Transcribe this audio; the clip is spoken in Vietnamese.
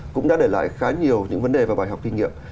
cũng đã để lại khá nhiều những vấn đề và bài học kinh nghiệm